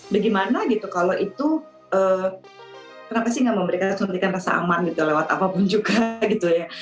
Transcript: bagaimana gitu kalau itu kenapa sih nggak memberikan suntikan rasa aman gitu lewat apapun juga gitu ya